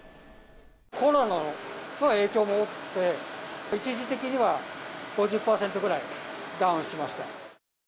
コロナの影響も大きくて、一時的には５０％ぐらいダウンしました。